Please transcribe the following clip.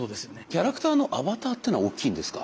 キャラクターのアバターっていうのは大きいんですか？